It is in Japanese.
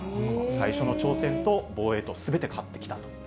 最初の挑戦と防衛と、すべて勝ってきたと。